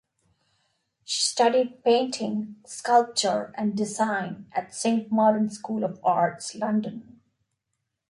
She studied painting, sculpture and design at Saint Martin School of Arts, London.